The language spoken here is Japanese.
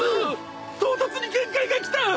唐突に限界がきた！